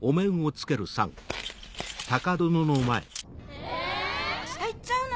え⁉明日行っちゃうの？